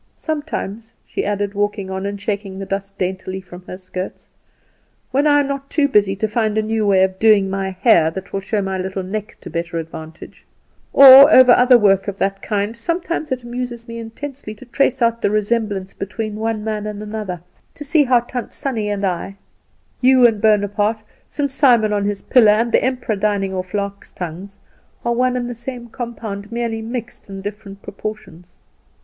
Sometimes," she added, walking on, and shaking the dust daintily from her skirts, "when I am not too busy trying to find a new way of doing my hair that will show my little neck to better advantage, or over other work of that kind, sometimes it amuses me intensely to trace out the resemblance between one man and another: to see how Tant Sannie and I, you and Bonaparte, St. Simon on his pillow, and the emperor dining off larks' tongues, are one and the same compound, merely mixed in different proportions.